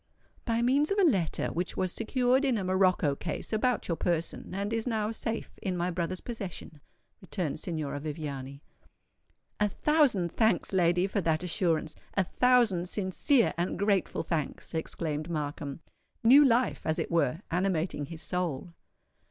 "By means of a letter which was secured in a morocco case about your person, and is now safe in my brother's possession," returned Signora Viviani. "A thousand thanks, lady, for that assurance—a thousand sincere and grateful thanks!" exclaimed Markham, new life as it were animating his soul.